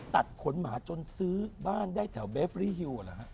ตัดขนหมาจนซื้อบ้านได้แถวเบฟรีฮิวเหรอฮะ